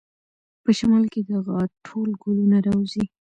په شمال کې د غاټول ګلونه راوځي.